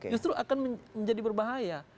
justru akan menjadi berbahaya